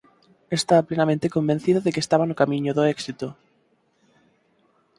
Estaba plenamente convencido de que estaba no camiño do éxito.